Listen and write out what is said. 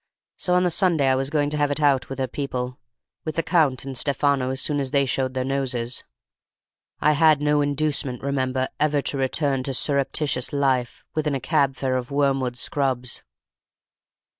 So on the Sunday I was going to have it out with her people—with the Count and Stefano as soon as they showed their noses. I had no inducement, remember, ever to return to surreptitious life within a cab fare of Wormwood Scrubbs.